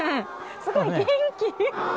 すごい元気。